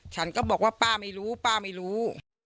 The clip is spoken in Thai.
ฉันก็บอกว่าป้าไม่รู้ป้าไม่รู้